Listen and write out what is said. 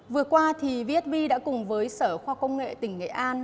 vừa qua vsb đã cùng với sở khoa công nghệ tỉnh nghệ an